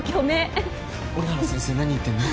折原先生何言ってるの？